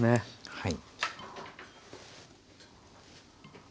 はい。